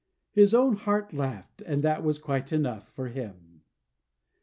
His own heart laughed, and that was quite enough for him.